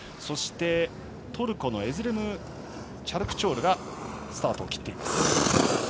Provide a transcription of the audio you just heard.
そして、トルコのエズレム・チャルクチョールがスタートを切っています。